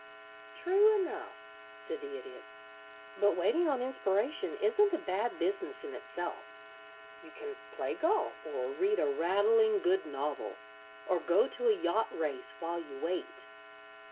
"True enough," said the Idiot; "but waiting on inspiration isn't a bad business in itself. You can play golf or read a rattling good novel, or go to a yacht race while you wait."